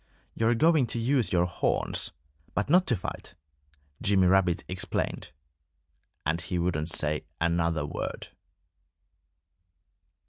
"You're going to use your horns but not to fight," Jimmy Rabbit explained. And he wouldn't say another word.